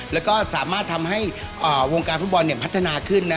แล้วก็สามารถทำให้วงการฟุตบอลพัฒนาขึ้นนะ